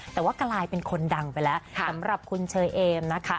แต่ว่ากลายเป็นคนดังไปแล้วสำหรับคุณเชอเอมนะคะ